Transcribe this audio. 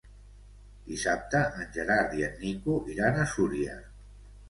Dissabte en Gerard i en Nico iran a Súria.